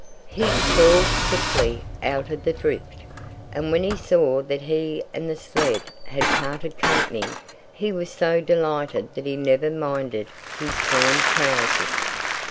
He crawled quickly out of the drift. And when he saw that he and the sled had parted company he was so delighted that he never minded his torn trousers.